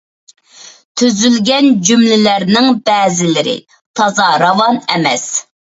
تۈزۈلگەن جۈملىلەرنىڭ بەزىلىرى تازا راۋان ئەمەس،.